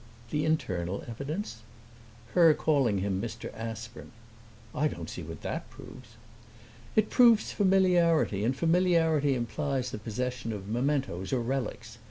"The internal evidence?" "Her calling him 'Mr. Aspern.'" "I don't see what that proves." "It proves familiarity, and familiarity implies the possession of mementoes, or relics.